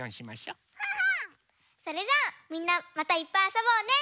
それじゃあみんなまたいっぱいあそぼうね！